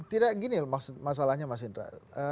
tidak gini loh masalahnya mas indra